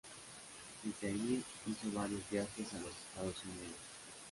Desde allí hizo varios viajes a los Estados Unidos.